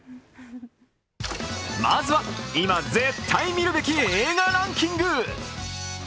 まずは今絶対見るべき映画ランキング。